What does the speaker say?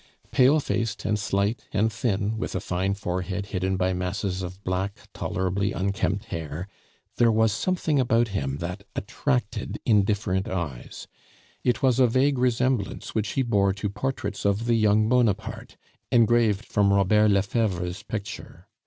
Pale faced and slight and thin, with a fine forehead hidden by masses of black, tolerably unkempt hair, there was something about him that attracted indifferent eyes: it was a vague resemblance which he bore to portraits of the young Bonaparte, engraved from Robert Lefebvre's picture.